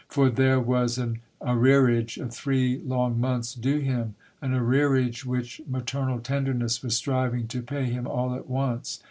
For there was an arrearage of three long months due him, — an arrearage which maternal tenderness was striving to pay him all at once.